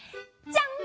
じゃん！